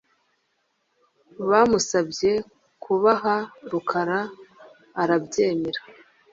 bamusabye kubaha Rukara arabyemera